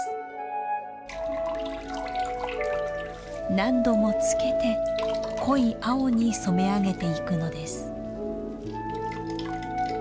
何度もつけて濃い青に染め上げていくのです。